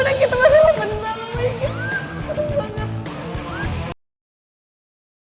aduh kita bakal menang kita bakal menang